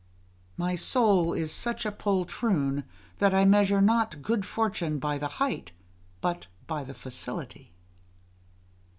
My soul is such a poltroon, that I measure not good fortune by the height, but by the facility.